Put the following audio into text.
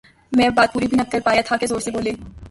میں بات پوری بھی نہ کرپا یا تھا کہ زور سے بولے